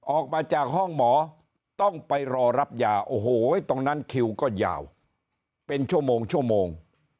ออกมาจากห้องหมอต้องไปรอรับยาโอ้โหตรงนั้นคิวก็ยาวเป็นชั่วโมงชั่วโมง